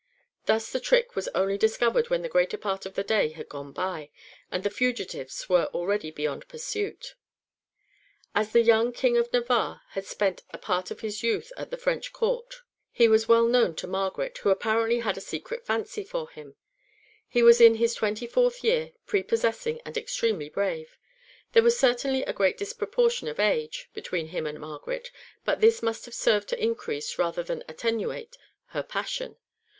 Thus the trick was only discovered when the greater part of the day had gone by, and the fugitives were already beyond pursuit. (2) 1 Lettres de Marguerite, &c, p. 31. 2 Olhagaray's Histoire de Faix, Beam, Navarre, &c, Paris, 1609. p. 487. As the young King of Navarre had spent a part of his youth at the French Court, he was well known to Margaret, who apparently had a secret fancy for him. He was in his twenty fourth year, prepossessing, and extremely brave. (1) There was certainly a great disproportion of age between him and Margaret, but this must have served to increase rather than attenuate her passion.